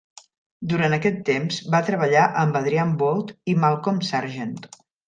Durant aquest temps va treballar amb Adrian Boult i Malcolm Sargent.